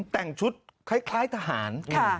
แต่งชุดคล้ายทหาร